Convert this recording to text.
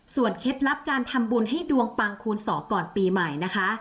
เคล็ดลับการทำบุญให้ดวงปังคูณ๒ก่อนปีใหม่นะคะ